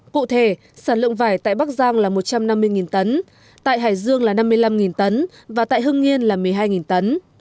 cụ thể sản lượng vải tại bắc giang là một trăm năm mươi tấn tại hải dương là năm mươi năm tấn và tại hưng yên là một mươi hai tấn